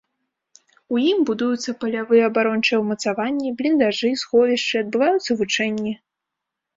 У ім будуюцца палявыя абарончыя ўмацаванні, бліндажы, сховішчы, адбываюцца вучэнні.